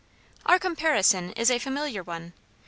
Our comparison is a familiar one.